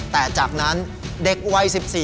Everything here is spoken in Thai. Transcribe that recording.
แต่จากนั้นเด็กวัย๑๔